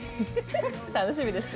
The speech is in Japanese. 楽しみですね。